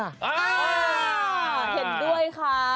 เห็นด้วยค่ะ